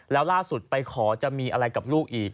แล้วล่าสุดไปขอจะมีอะไรกับลูกอีก